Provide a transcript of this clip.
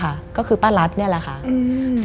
มันกลายเป็นรูปของคนที่กำลังขโมยคิ้วแล้วก็ร้องไห้อยู่